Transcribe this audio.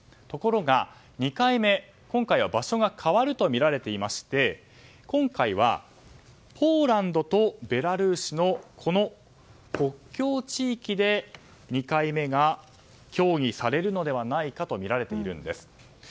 ところが、２回目は場所が変わるとみられていまして今回はポーランドとベラルーシの国境地域で２回目が協議されるのではないかとみられているんです。